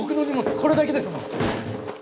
これだけですもん。